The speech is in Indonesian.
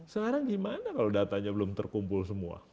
sekarang gimana kalau datanya belum terkumpul semua